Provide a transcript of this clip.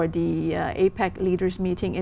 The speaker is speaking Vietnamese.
thì các bạn sẽ nói gì